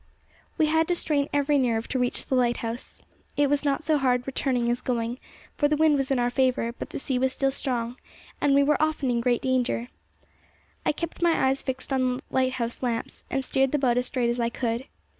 We had to strain every nerve to reach the lighthouse. It was not so hard returning as going, for the wind was in our favour, but the sea was still strong, and we were often in great danger. I kept my eyes fixed on the lighthouse lamps, and steered the boat as straight as I could.